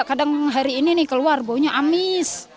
kadang hari ini nih keluar baunya amis